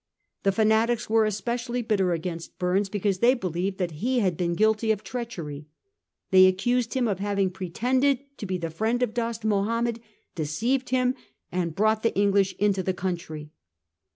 The fanatics were especially bitter against Bumes, because they believed that he had been guilty of treachery. They accused bim of having pretended to be the Mend of Dost Mahomed, deceived him, and brought the English into the country.